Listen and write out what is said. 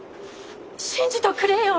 信じとくれよ。